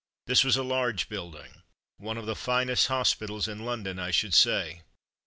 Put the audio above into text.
This was a large building, one of the finest hospitals in London, I should say.